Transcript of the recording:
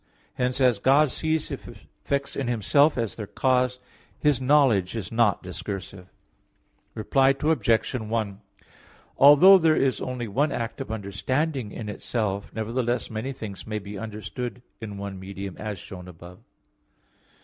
Hence as God sees His effects in Himself as their cause, His knowledge is not discursive. Reply Obj. 1: Although there is only one act of understanding in itself, nevertheless many things may be understood in one (medium), as shown above.